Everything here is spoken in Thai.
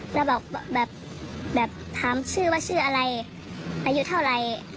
แล้วถามชื่อว่าชื่ออะไรอายุเท่าไหร่